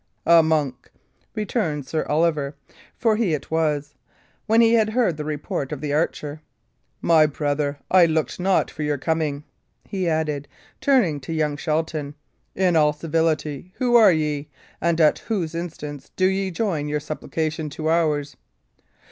"A monk!" returned Sir Oliver (for he it was), when he had heard the report of the archer. "My brother, I looked not for your coming," he added, turning to young Shelton. "In all civility, who are ye? and at whose instance do ye join your supplications to ours?"